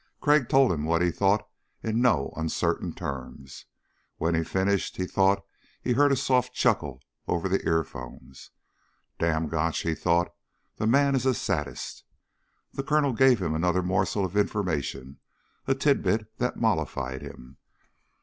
Crag told him what he thought in no uncertain terms. When he finished he thought he heard a soft chuckle over the earphones. Damn Gotch, he thought, the man is a sadist. The Colonel gave him another morsel of information a tidbit that mollified him.